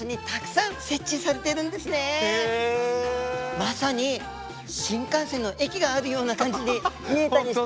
まさに新幹線の駅があるような感じに見えたりして。